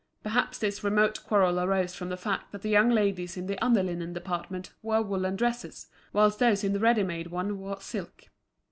Perhaps this remote quarrel arose from the fact that the young ladies in the under linen department wore woollen dresses, whilst those in the ready made one wore silk.